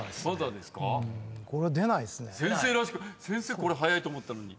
これ早いと思ったのに。